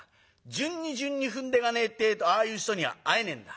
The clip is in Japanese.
順に順に踏んでいかねえってえとああいう人には会えねえんだ。